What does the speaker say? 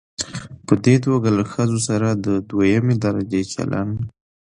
په دې توګه له ښځو سره د دويمې درجې چلن